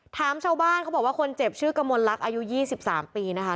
ถามชาวบ้านเขาบอกว่าคนเจ็บชื่อกระมวลลักษณ์อายุ๒๓ปีนะคะ